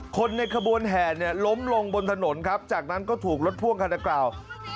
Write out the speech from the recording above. คนในขบวนแห่เนี่ยล้มลงบนถนนครับจากนั้นก็ถูกรถพ่วงขณะกล่าว